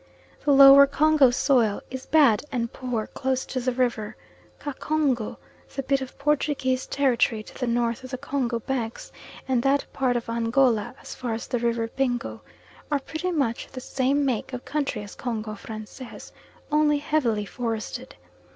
The lower Congo soil is bad and poor close to the river. Kacongo, the bit of Portuguese territory to the north of the Congo banks, and that part of Angola as far as the River Bingo, are pretty much the same make of country as Congo Francais, only less heavily forested.